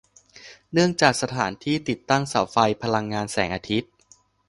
เนื่องจากสถานที่ติดตั้งเสาไฟพลังงานแสงอาทิตย์